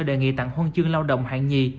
đề nghị tặng huân chương lao động hạng nhì